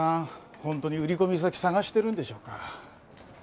ホントに売り込み先探してるんでしょうか？